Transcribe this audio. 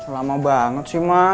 lama banget sih mah